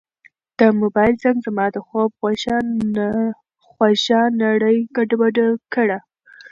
د موبایل زنګ زما د خوب خوږه نړۍ ګډوډه کړه.